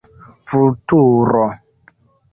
Vulturo!